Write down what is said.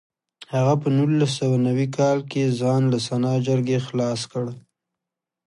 هغه په نولس سوه نوي کال کې ځان له سنا جرګې خلاص کړ.